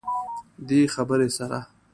دې خبرې سره